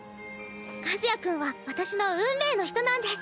和也君は私の運命の人なんです。